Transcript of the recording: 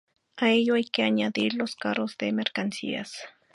A ello hay que añadir los carros de mercancías.